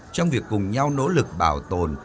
trong việc cùng nhau nỗ lực bảo tồn